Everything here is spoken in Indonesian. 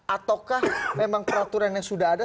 ataukah memang peraturan yang sudah ada